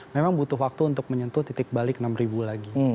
memang butuh waktu untuk menyentuh titik balik enam lagi